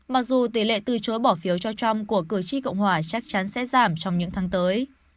mặc dù tỷ lệ từ chối bỏ phiếu cho trump của cử tri cộng hòa chắc chắn sẽ giảm trong những tháng tới